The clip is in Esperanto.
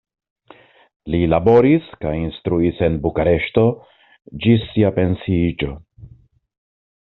Li laboris kaj instruis en Bukareŝto ĝis sia pensiiĝo.